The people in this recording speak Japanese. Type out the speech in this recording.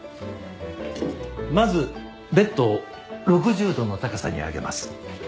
まずベッドを６０度の高さに上げます。